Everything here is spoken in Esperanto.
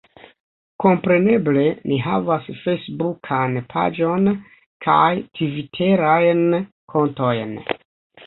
Kompreneble, ni havas fejsbukan paĝon, kaj tviterajn kontojn